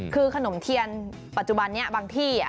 คือขนมเทียนปัจจุบันนี้บางที่